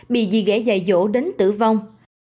bị dì ghẻ dài dỗ đến tử vong